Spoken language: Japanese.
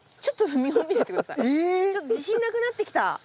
ちょっと自信なくなってきた。